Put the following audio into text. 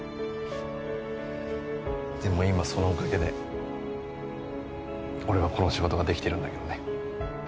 でも今そのおかげで俺はこの仕事ができてるんだけどね。